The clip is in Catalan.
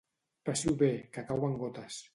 Passi-ho bé, que cauen gotes.